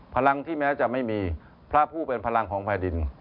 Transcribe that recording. พลังที่แม้จะไม่มีพระผู้เป็นพลังของแผ่นดิน